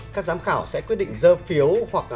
các giám khảo sẽ quyết định dơ phiếu hoặc